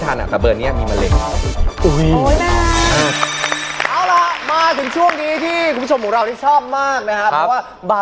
อันนี้ครับ